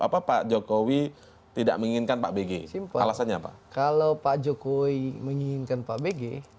apa pak jokowi tidak menginginkan pak bg simpel alasannya pak kalau pak jokowi menginginkan pak bg